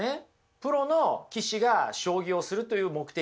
プロの棋士が将棋をするという目的。